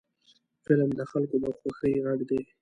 فلم د خلکو د خوښۍ غږ دی